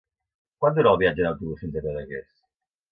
Quant dura el viatge en autobús fins a Cadaqués?